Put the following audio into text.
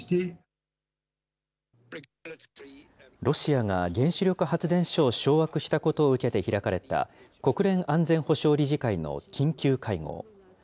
ロシアが原子力発電所を掌握したことを受けて開かれた、国連安全保障理事会の緊急会合。